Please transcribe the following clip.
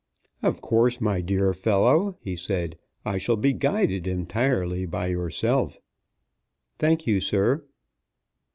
"Of course, my dear fellow," he said, "I shall be guided entirely by yourself." "Thank you, sir."